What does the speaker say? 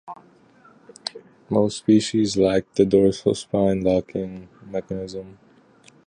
Most species lack the dorsal spine-locking mechanism.